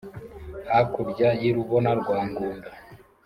.Hakurya y'i Rubona rwa Ngunda